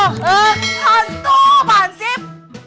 hantu pak hansip